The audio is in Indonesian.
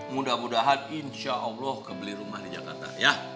mudah mudahan insya allah kebeli rumah di jakarta ya